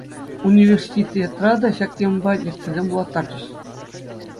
Университетра та ҫак темӑпа лекцисем вулаттарчӗҫ.